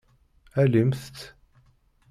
Alimt-t.